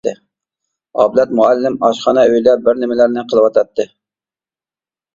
ئابلەت مۇئەللىم ئاشخانا ئۆيدە بىر نېمىلەرنى قىلىۋاتاتتى.